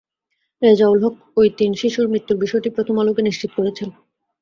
রেজাউল হক ওই তিন শিশুর মৃত্যুর বিষয়টি প্রথম আলোকে নিশ্চিত করেছেন।